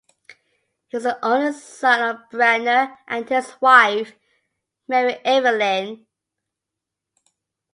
He was the only son of Breadner and his wife, Mary Evelyn.